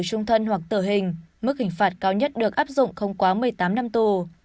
trung thân hoặc tử hình mức hình phạt cao nhất được áp dụng không quá một mươi tám năm tù